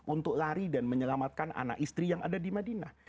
untuk lari dan menyelamatkan anak istri yang ada di madinah